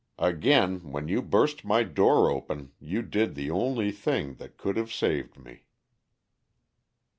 Again, when you burst my door open you did the only thing that could have saved me."